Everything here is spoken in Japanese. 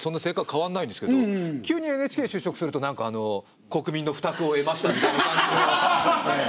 変わんないんですけど急にＮＨＫに就職すると何か国民の負託を得ましたみたいな感じの。